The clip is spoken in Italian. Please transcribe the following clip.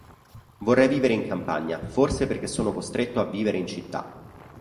Vorrei vivere in campagna, forse perché sono costretto a vivere in città...